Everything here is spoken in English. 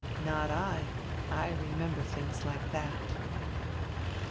"Not I, I remember tilings like diat."